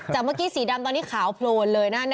เมื่อกี้สีดำตอนนี้ขาวโพลนเลยนะ